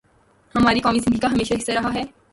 ہماری قومی زندگی کا ہمیشہ حصہ رہا ہے۔